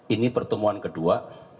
ini pertemuan kedua